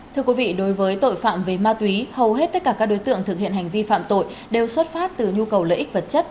thưa quý vị đối với tội phạm về ma túy hầu hết tất cả các đối tượng thực hiện hành vi phạm tội đều xuất phát từ nhu cầu lợi ích vật chất